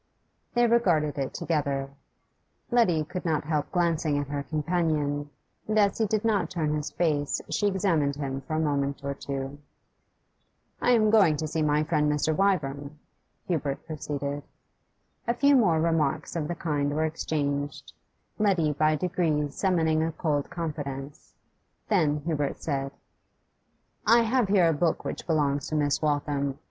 They regarded it together. Letty could not help glancing at her companion, and as he did not turn his face she examined him for a moment or two. 'I am going to see my friend Mr. Wyvern,' Hubert proceeded. A few more remarks of the kind were exchanged, Letty by degrees summoning a cold confidence; then Hubert said 'I have here a book which belongs to Miss Waltham.